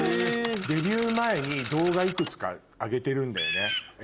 デビュー前に動画いくつか上げてるんだよね。